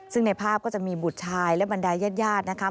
ซึ่งในภาพก็จะมีบุตรชายและบรรดายญาติญาตินะคะ